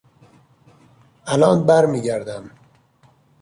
الان برمیگردم.